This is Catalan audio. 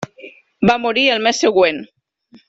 Va morir el mes següent.